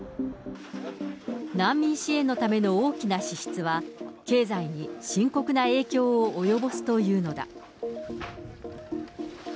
難民支援のための大きな支出は、経済に深刻な影響を及ぼすというのだ。